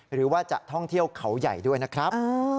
หรือว่าจะท่องเที่ยวเขาใหญ่ด้วยนะครับ